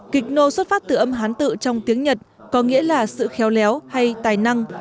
kịch nô xuất phát từ âm hán tự trong tiếng nhật có nghĩa là sự khéo léo hay tài năng